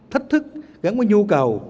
thách thức gắn với nhu cầu